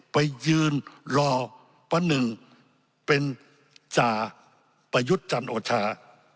ไปยืนรอป้าหนึ่งเป็นจ่าประยุทธ์จันโอชา